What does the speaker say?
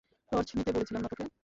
Torch নিতে বলেছিলাম না তোকে?